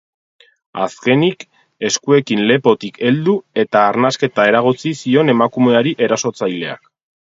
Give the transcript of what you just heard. Azkenik, eskuekin lepotik heldu eta arnasketa eragotzi zion emakumeari erasotzaileak.